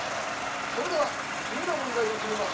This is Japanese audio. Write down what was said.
それでは次の問題に移ります。